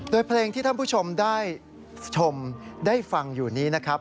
โดยเพลงที่ท่านผู้ชมได้ชมได้ฟังอยู่นี้นะครับ